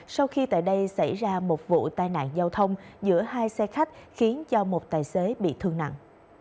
sau khi tại đây xảy ra một vụ tai nạn giao thông giữa hai xe khách khiến cho một tài xế bị thương nặng